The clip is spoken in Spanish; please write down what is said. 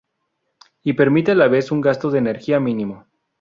Y permite a la vez un gasto de energía mínimo.